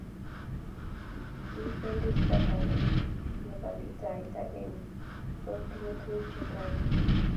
Kil e Felista teree ne bo litait akenge ko tinye tukuk chetoretuu .